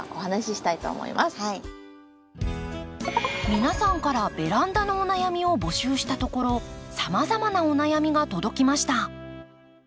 皆さんからベランダのお悩みを募集したところさまざまなお悩みが届きました。